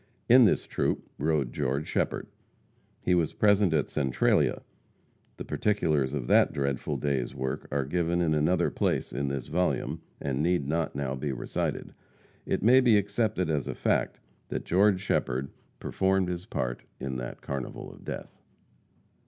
In this troop rode George Shepherd. He was present at Centralia. The particulars of that dreadful day's work are given in another place in this volume, and need not now be recited. It may be accepted as a fact that George Shepherd performed his part in that carnival of Death.